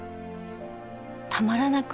たまらなく